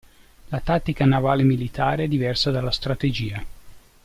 La tattica navale militare è diversa dalla strategia.